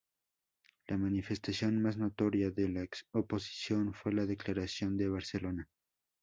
La manifestación más notoria de esta oposición fue la Declaración de Barcelona.